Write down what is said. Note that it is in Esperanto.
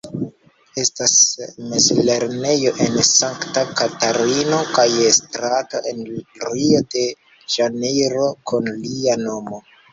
Estas mezlernejo en Sankta Katarino kaj strato en Rio-de-Ĵanejro kun lia nomo.